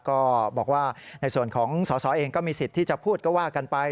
ก็บอกว่าในส่วนของสสเองก็มีสิทธิ์ที่จะพูดก็ว่ากันไป